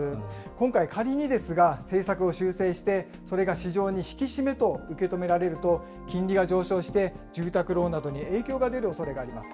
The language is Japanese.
今回、仮にですが、政策を修正して、それが市場に引き締めと受け止められると、金利が上昇して住宅ローンなどに影響が出るおそれがあります。